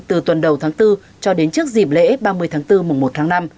từ tuần đầu tháng bốn cho đến trước dịp lễ ba mươi tháng bốn mùng một tháng năm